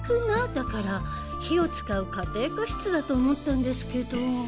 だから火を使う家庭科室だと思ったんですけど。